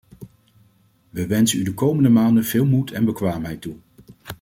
We wensen u de komende maanden veel moed en bekwaamheid toe.